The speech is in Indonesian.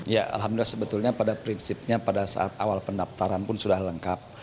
ya alhamdulillah sebetulnya pada prinsipnya pada saat awal pendaftaran pun sudah lengkap